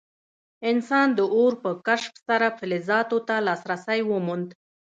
انسان د اور په کشف سره فلزاتو ته لاسرسی وموند.